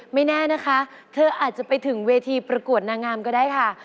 ไม่แน่นะคะเธออาจจะไปถึงเวทีประกวดนางงามก็ได้ค่ะ